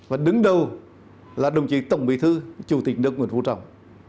và đứng đầu là đồng chí tổng bí thư chủ tịch nước nguyễn phú trọng